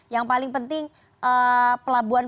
yang paling penting pelabuhan